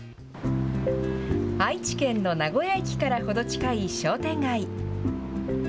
愛知県の名古屋駅から程近い商店街。